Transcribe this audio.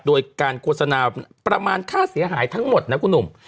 โดยการโฆษณาประมาณค่าเสียหายทั้งหมดนะคุณหนุ่ม